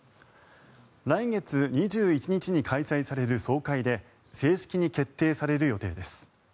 来月２１日に開催される総会で正式に決定される予定です。